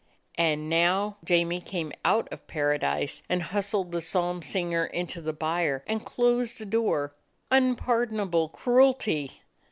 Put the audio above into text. And now Jamie came out of paradise and hustled the psalm singer into the byre and closed the door. Unpardonable cruelty!